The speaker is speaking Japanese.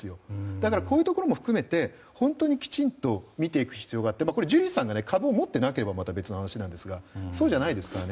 だから、こういうところも含めて本当にきちんと見ていく必要があってジュリーさんが株を持っていなければ別の話ですがそうじゃないですからね。